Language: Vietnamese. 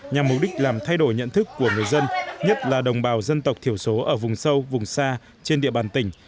nhằm mục đích làm thay đổi nhận thức của người dân nhất là đồng bào dân tộc thiểu số ở vùng sâu vùng xa trên địa bàn tỉnh